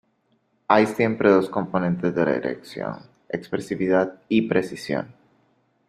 Hay siempre dos componentes de la dirección, expresividad y precisión.